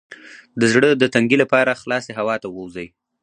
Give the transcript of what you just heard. د زړه د تنګي لپاره خلاصې هوا ته ووځئ